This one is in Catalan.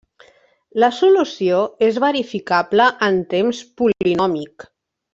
La solució és verificable en temps polinòmic.